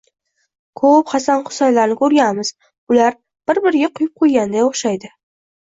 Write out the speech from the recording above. Ko`p Hasan-Husanlarni ko`rganmiz, ular bir-birlariga quyib qo`ygandek o`xshaydi